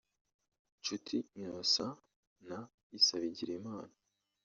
Nshuti Innocent na Issa Bigirimana